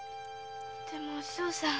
でもお師匠さん。